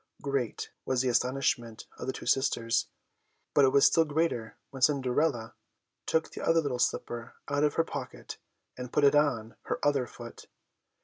Great was the astonishment of the two sisters, but it was still greater when Cinderella took the other little slipper out of her pocket and put it on her other foot.